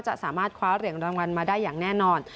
จะสามารถคว้าเหรียญรางวัลมาได้อย่างแน่นอน